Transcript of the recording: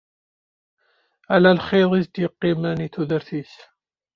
Ala lxiḍ i s-d-yeqqimen i tudert-is.